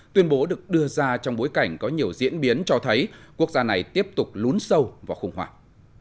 tuyên bố được đưa ra trong bối cảnh có nhiều diễn biến cho thấy quốc gia này tiếp tục lún sâu vào khủng hoảng